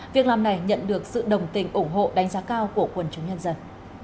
việc làm này nhận được sự đồng tình ủng hộ đánh giá cao của quân chủ nhân dân